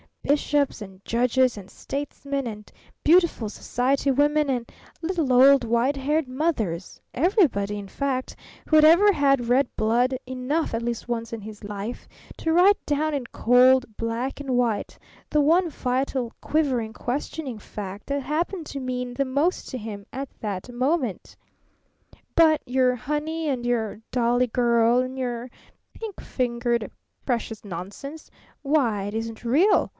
Bishops and Judges and Statesmen and Beautiful Society Women and Little Old White Haired Mothers everybody, in fact, who had ever had red blood enough at least once in his life to write down in cold black and white the one vital, quivering, questioning fact that happened to mean the most to him at that moment! But your 'Honey' and your 'Dolly Girl' and your 'Pink Fingered Precious' nonsense! Why, it isn't real!